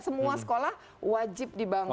semua sekolah wajib dibangun